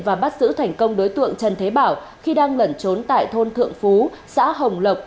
và bắt giữ thành công đối tượng trần thế bảo khi đang lẩn trốn tại thôn thượng phú xã hồng lộc